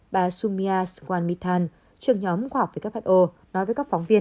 bà sumya swamithan trường nhóm khoa học who nói với các phóng viên